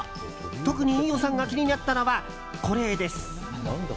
特に飯尾さんが気になったのはこれです。